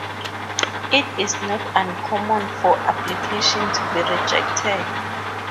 It is not uncommon for applications to be rejected.